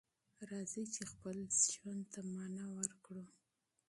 راځئ چې خپل ژوند ته معنی ورکړو.